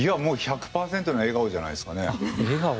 １００％の笑顔じゃないですかね。